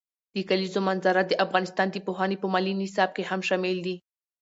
د کلیزو منظره د افغانستان د پوهنې په ملي نصاب کې هم شامل دي.